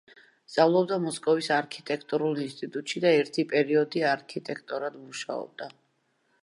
სწავლობდა მოსკოვის არქიტექტურულ ინსტიტუტში და ერთი პერიოდი არქიტექტორად მუშაობდა.